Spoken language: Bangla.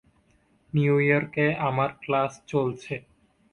নিউ ইয়র্কে আমার ক্লাস চলছে।